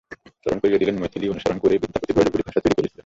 স্মরণ করিয়ে দিলেন, মৈথিলি অনুসরণ করেই বিদ্যাপতি ব্রজবুলি ভাষা তৈরি করেছিলেন।